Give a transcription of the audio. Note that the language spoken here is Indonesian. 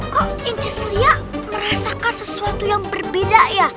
kok incis liya merasakan sesuatu yang berbeda ya